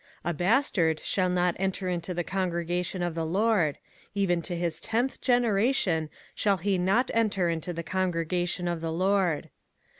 05:023:002 A bastard shall not enter into the congregation of the LORD; even to his tenth generation shall he not enter into the congregation of the LORD.